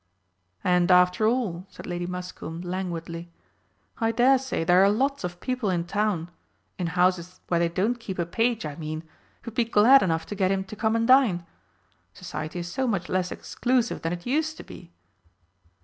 "And, after all," said Lady Muscombe languidly, "I dare say there are lots of people in town in houses where they don't keep a page, I mean who'd be glad enough to get him to come and dine. Society is so much less exclusive than it used to be."